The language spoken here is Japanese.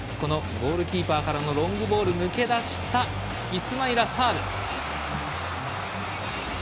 ゴールキーパーからのロングボール、抜け出したイスマイラ・サール。